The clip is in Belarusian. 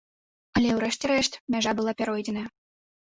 Але ў рэшце рэшт мяжа была пяройдзеная.